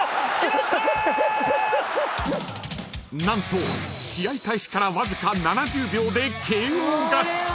［何と試合開始からわずか７０秒でＫＯ勝ち］